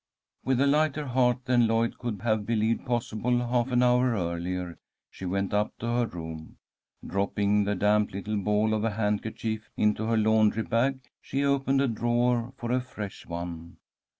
With a lighter heart than Lloyd could have believed possible half an hour earlier, she went up to her room. Dropping the damp little ball of a handkerchief into her laundry bag, she opened a drawer for a fresh one.